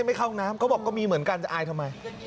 ไม่เข้าห้องน้ำเขาบอกก็มีเหมือนกันจะอายทำไม